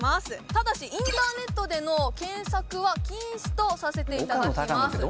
ただしインターネットでの検索は禁止とさせていただきます